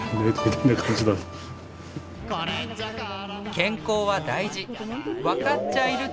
健康は大事！